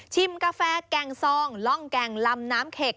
กาแฟแก่งซองล่องแก่งลำน้ำเข็ก